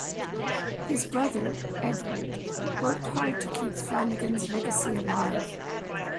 His brother, Edward, worked hard to keep Flanagan's legacy alive.